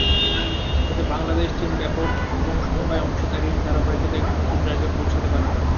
যাতে বাংলাদেশ-চীন ব্যাপক এবং সমবায় অংশীদারির ধারাবাহিকভাবে একটি নতুন জায়গায় পৌঁছাতে পারে।